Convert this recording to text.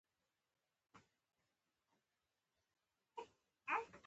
ویل زما پر وینا غوږ نیسۍ مرغانو